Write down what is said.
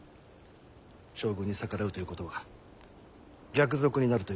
将軍に逆らうということは逆賊になるということ。